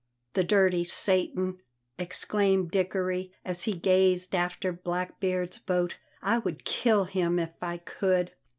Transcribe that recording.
"The dirty Satan!" exclaimed Dickory, as he gazed after Blackbeard's boat. "I would kill him if I could."